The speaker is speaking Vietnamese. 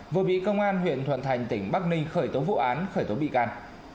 vừa bị công an huyện thuận thành tỉnh bắc ninh khởi tố vụ án khởi tố bị can